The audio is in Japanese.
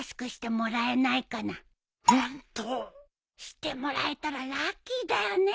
してもらえたらラッキーだよね。